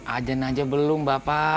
ajan aja belum bapak